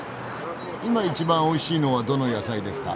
今一番おいしいのはどの野菜ですか？